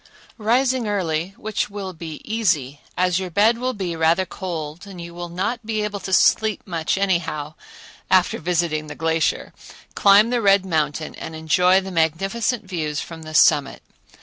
Rising early,—which will be easy, as your bed will be rather cold and you will not be able to sleep much anyhow,—after visiting the glacier, climb the Red Mountain and enjoy the magnificent views from the summit.